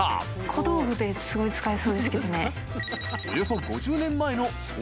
小道具ですごい使いそうですけどね。